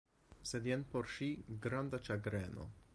Sed jen por ŝi granda ĉagreno.